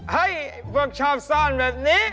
เฮ้ยเขาชอบซ่อนแบบนี้